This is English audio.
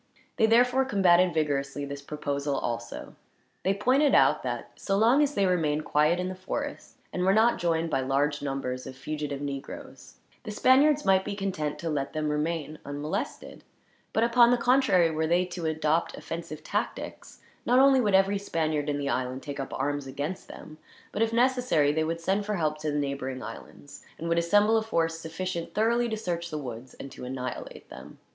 They therefore combated vigorously this proposal, also. They pointed out that, so long as they remained quiet in the forest, and were not joined by large numbers of fugitive negroes, the Spaniards might be content to let them remain unmolested; but upon the contrary, were they to adopt offensive tactics, not only would every Spaniard in the island take up arms against them, but if necessary they would send for help to the neighboring islands, and would assemble a force sufficient thoroughly to search the woods, and to annihilate them.